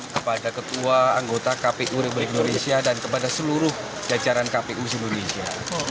kepada ketua anggota kpu republik indonesia dan kepada seluruh jajaran kpu indonesia